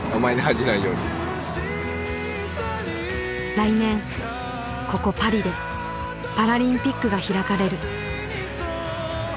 来年ここパリでパラリンピックが開かれる。